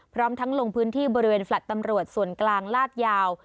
พร้อมทั้งลงพื้นที่บริเวณแฟลต์ตำรวจส่วนกลางลาดยาว